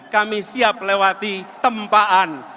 kami siap lewati tempaan